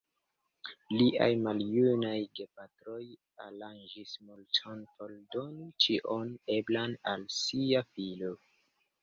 Liaj maljunaj gepatroj aranĝis multon por doni ĉion eblan al sia filo.